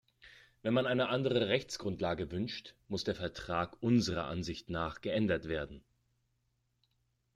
Wenn man eine andere Rechtsgrundlage wünscht, muss der Vertrag unserer Ansicht nach geändert werden.